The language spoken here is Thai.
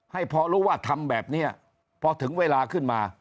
ให้พอรู้ว่าทำแบบนี้พอถึงเวลาขึ้นมา